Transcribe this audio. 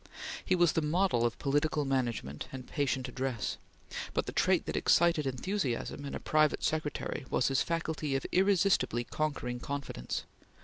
He was the model of political management and patient address; but the trait that excited enthusiasm in a private secretary was his faculty of irresistibly conquering confidence.